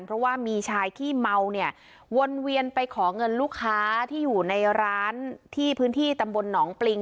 เพราะว่ามีชายขี้เมาเนี่ยวนเวียนไปขอเงินลูกค้าที่อยู่ในร้านที่พื้นที่ตำบลหนองปริง